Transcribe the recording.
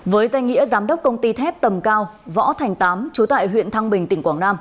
với danh nghĩa giám đốc công ty thép tầm cao võ thành tám chú tại huyện thăng bình tỉnh quảng nam